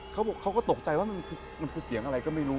เขาบอกเขาก็ตกใจว่ามันคือเสียงอะไรก็ไม่รู้